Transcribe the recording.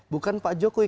bukan pak jokowi